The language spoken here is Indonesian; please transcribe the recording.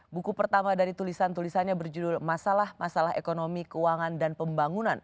buku pertama dari tulisan tulisannya berjudul masalah masalah ekonomi keuangan dan pembangunan